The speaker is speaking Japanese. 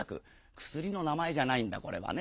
「くすりの名前じゃないんだこれはね。